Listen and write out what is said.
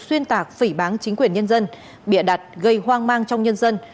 xuyên tạc phỉ bán chính quyền nhân dân bịa đặt gây hoang mang trong nhân dân